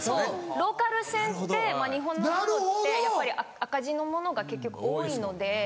ローカル線って日本のものってやっぱり赤字のものが結局多いので。